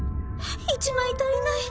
「１枚足りない！